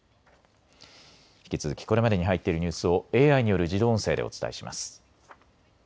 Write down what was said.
引き続きこれまでに入っているニュースをＡＩによる自動音声でお伝えします。